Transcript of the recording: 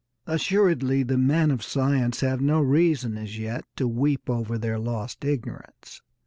Assuredly the men of science have no reason as yet to weep over their lost ignorance.